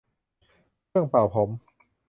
เครื่องเป่าผม